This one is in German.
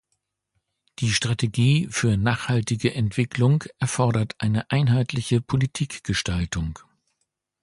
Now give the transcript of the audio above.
Die Strategie für nachhaltige Entwicklung erfordert eine einheitliche Politikgestaltung.